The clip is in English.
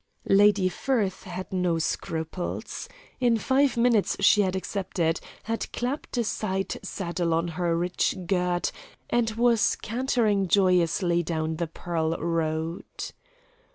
Lady Firth had no scruples. In five minutes she had accepted, had clapped a side saddle on her rich gift, and was cantering joyously down the Pearl Road.